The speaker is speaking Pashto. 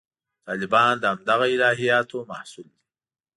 طالبان د همدغه الهیاتو محصول دي.